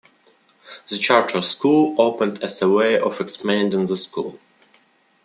The charter school opened as a way of expanding the school.